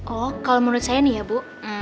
oh kalau menurut saya nih ya bu